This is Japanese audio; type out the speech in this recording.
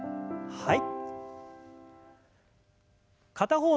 はい。